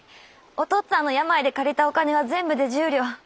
お父っつぁんの病で借りたお金は全部で十両。